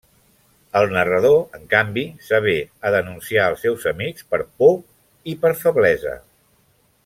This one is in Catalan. El narrador, en canvi, s'avé a denunciar els seus amics per por i per feblesa.